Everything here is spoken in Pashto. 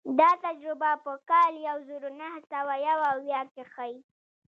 دا تجربه په کال یو زر نهه سوه یو اویا کې ښيي.